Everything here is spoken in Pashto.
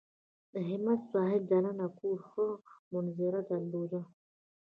د همت صاحب دننه کور ښه منظره درلوده.